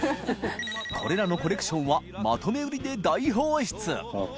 磴海譴蕕コレクションはまとめ売りで大放出！